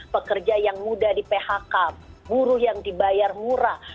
pekerja yang mudah di phk buruh yang dibayar murah